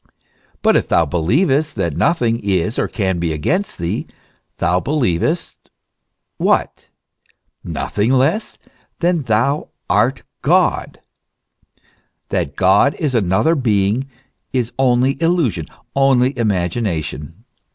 But if thou believest that nothing is or can be against thee, thou be lievest what ? nothing less than that thou art God.f That God is another being is only illusion, only imagination.